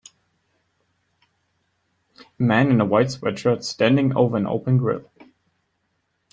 A man in a white sweatshirt standing over an open grill.